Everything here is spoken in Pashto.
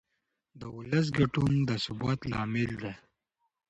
د ولس ګډون د ثبات لامل دی